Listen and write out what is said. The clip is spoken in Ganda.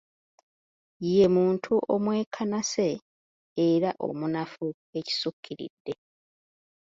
Ye muntu omwekanase era omunafu ekisukkiridde.